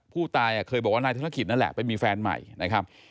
ผู้ตายเคยบอกว่านายธนกิจนั่นแหละไปมีแฟนใหม่นะครับ